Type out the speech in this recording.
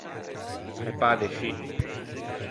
Me pâ de scì.